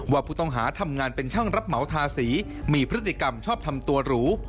ว่าผู้ต้องหาทำงานเป็นช่างรับเหมาทาสีมีพฤติกรรมชอบทำตัวหรู